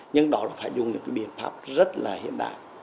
nhưng đó là phải dùng những cái biện pháp rất là hiện đại